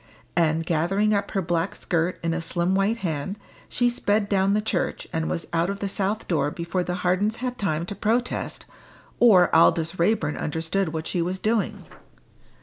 And, gathering up her black skirt in a slim white hand, she sped down the church, and was out of the south door before the Hardens had time to protest, or Aldous Raeburn understood what she was doing.